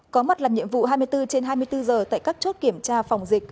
có mặt làm nhiệm vụ hai mươi bốn trên hai mươi bốn giờ tại các chốt kiểm tra phòng dịch